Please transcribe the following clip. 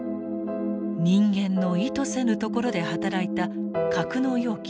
人間の意図せぬところで働いた格納容器の冷却。